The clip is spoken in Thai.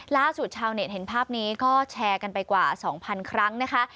ชาวเน็ตเห็นภาพนี้ก็แชร์กันไปกว่า๒๐๐๐ครั้งนะคะ